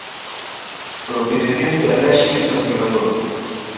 Procedemento e réxime sancionador